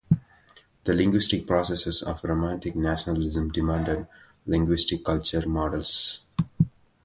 The linguistic processes of romantic nationalism demanded linguistic culture models.